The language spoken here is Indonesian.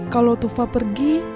kalau tufa pergi